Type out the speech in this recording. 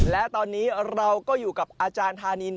และตอนนี้เราก็อยู่กับอาจารย์ธานิน